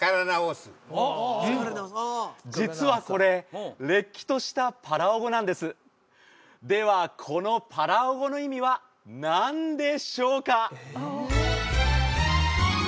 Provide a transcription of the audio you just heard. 実はこれれっきとしたパラオ語なんですではこのパラオ語の意味は何でしょうか？